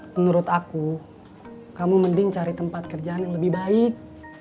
menurut aku kamu mending cari tempat kerjaan yang lebih baik